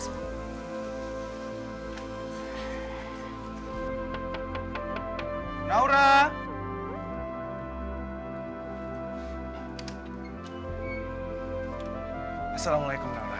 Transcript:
udah udah semua